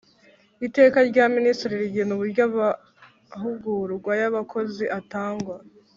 Iteka rya Minisitiri rigena uburyo amahugurwa y abakozi atangwa